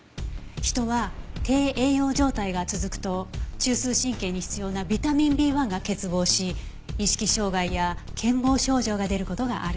人は低栄養状態が続くと中枢神経に必要なビタミンＢ１が欠乏し意識障害や健忘症状が出る事がある。